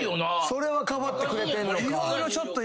それはかばってくれんのか。